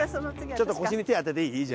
ちょっと腰に手当てていい？